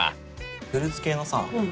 フルーツ系のさ。